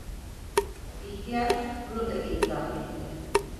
İhtiyar, bunu da izah etti: